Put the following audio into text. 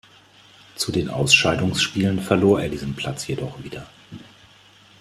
Zu den Ausscheidungsspielen verlor er diesen Platz jedoch wieder.